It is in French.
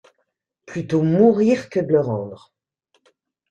Plutôt mourir que de le rendre!